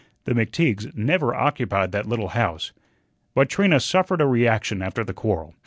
The McTeagues never occupied that little house. But Trina suffered a reaction after the quarrel.